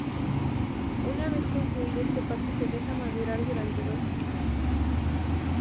Una vez concluido este paso se deja madurar durante dos meses.